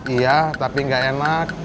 iya tapi gak enak